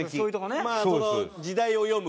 まあその時代を読む？